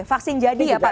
vaksin jadi ya pak